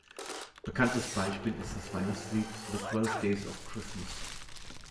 Bekanntes Beispiel ist das Weihnachtslied "The Twelve Days of Christmas".